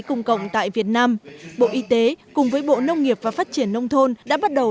công cộng tại việt nam bộ y tế cùng với bộ nông nghiệp và phát triển nông thôn đã bắt đầu